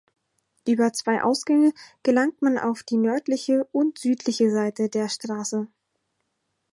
Über zwei Ausgänge gelangt man auf die nördliche und südliche Seite der Straße.